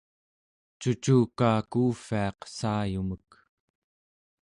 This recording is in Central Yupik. cucukaa kuuvviaq saayumek